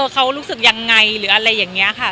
เขารู้สึกยังไงหรืออะไรอย่างนี้ค่ะ